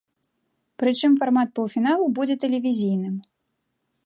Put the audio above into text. Прычым фармат паўфіналу будзе тэлевізійным.